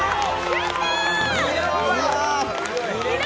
やったー！